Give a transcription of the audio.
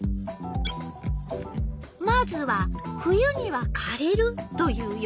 まずは「冬にはかれる」という予想。